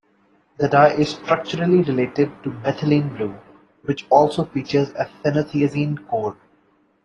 The dye is structurally related to methylene blue, which also features a phenothiazine core.